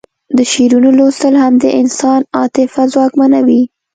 د شعرونو لوستل هم د انسان عاطفه ځواکمنوي